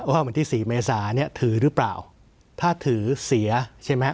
วันที่สี่เมษาเนี่ยถือหรือเปล่าถ้าถือเสียใช่ไหม